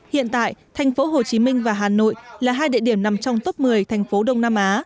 hiện tại thành phố hồ chí minh và hà nội là hai địa điểm nằm trong top một mươi thành phố đông nam á